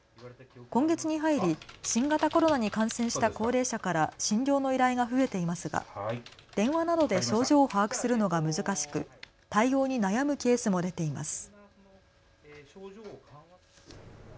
今月に入り新型コロナに感染した高齢者から診療の依頼が増えていますが電話などで症状を把握するのが難しく対応に悩むケースも出ています。